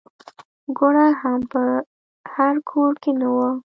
ګوړه هم په هر کور کې نه وه.